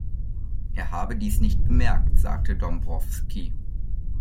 Er habe dies nicht bemerkt, sagte Dombrowski.